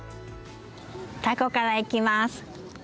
たこからいきます。